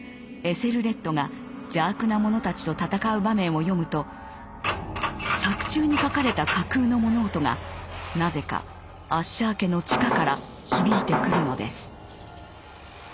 エセルレッドが邪悪な者たちと戦う場面を読むと作中に書かれた架空の物音がなぜかアッシャー家の地下から響いてくるのです。